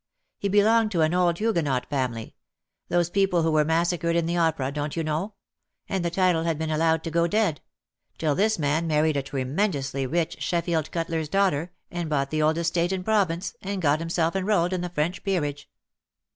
He belonged to an old Huguenot family — those people who were massacred in the opera, don't you know — and the title had been allowed to go dead — till this man married a tremendously rich Sheffield cutler's daughter, and bought the old estate in Provence, and got himself enrolled in the French peerage.